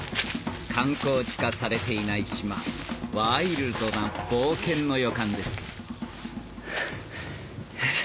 観光地化されていない島ワイルドな冒険の予感ですハァよいしょ。